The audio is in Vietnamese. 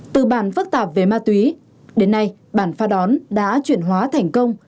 từ bản phức tạp về ma túy đến nay bản pha đón đã chuyển hóa thành công